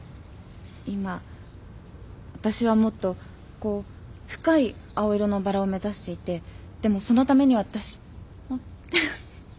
今私はもっとこう深い青色のバラを目指していてでもそのために私